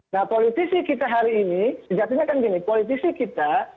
nah politisi kita hari ini sejatinya kan gini politisi kita